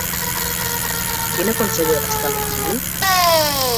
Quina consellera està a l'exili?